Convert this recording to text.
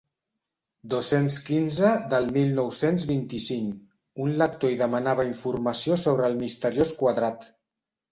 Dos-cents quinze del mil nou-cents vint-i-cinc un lector hi demanava informació sobre el misteriós quadrat.